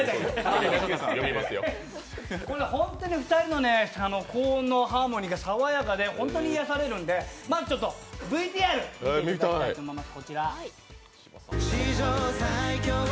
２人の高音のハーモニーが爽やかで本当に癒やされるんでまずＶＴＲをご覧いただきたいと思います。